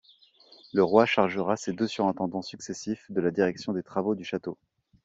Le roi chargea ses deux surintendants successifs de la direction des travaux du château.